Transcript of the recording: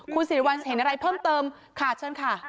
คุณสิริวัลเห็นอะไรเพิ่มเติมค่ะเชิญค่ะ